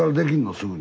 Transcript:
すぐに。